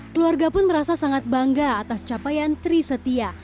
keluarga pun merasa sangat bangga atas capaian trisetia